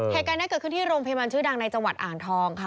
เหตุการณ์นี้เกิดขึ้นที่โรงพยาบาลชื่อดังในจังหวัดอ่างทองค่ะ